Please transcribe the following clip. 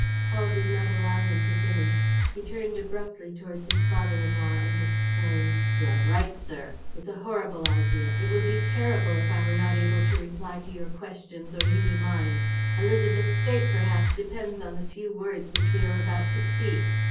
..." Paul did not allow him to finish. He turned abruptly towards his father in law and exclaimed: "You are right, sir! It's a horrible idea. It would be terrible if I were not able to reply to your questions or you to mine. Élisabeth's fate perhaps depends on the few words which we are about to speak.